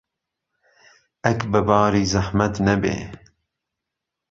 ئهک به باری زهحمهت نهبێ